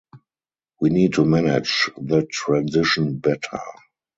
We need to manage the transition better.